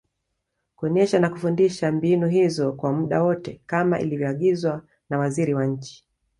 kuonesha na kufundisha mbinu hizo kwa muda wote kama ilivyoagizwa na Waziri wa Nchi